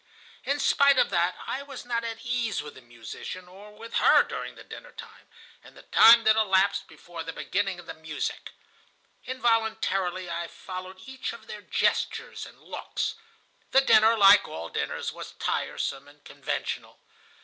"In spite of that, I was not at ease with the musician or with her during dinner time and the time that elapsed before the beginning of the music. Involuntarily I followed each of their gestures and looks. The dinner, like all dinners, was tiresome and conventional.